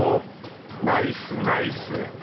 ナイスナイス！